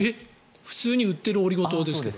普通に売ってるオリゴ糖ですけど。